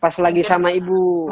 pas lagi sama ibu